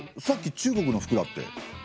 さっき中国の服だって。